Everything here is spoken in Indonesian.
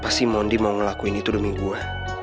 pasti mondi mau ngelakuin itu demi gua